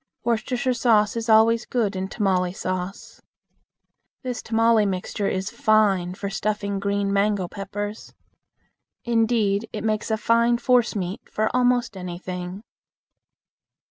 Worcestershire sauce is always good in tamale sauce. This tamale mixture is fine for stuffing green mango peppers. Indeed, it makes a fine forcemeat for most anything.